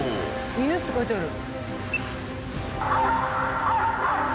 「犬」って書いてある。